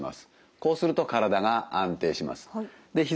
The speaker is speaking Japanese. こうすると体が安定します。